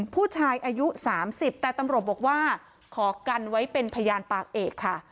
ผู้ชายอายุ๓๐แต่ตำรวจบอกว่าขอกันไว้เป็นพยานปากเอกค่ะ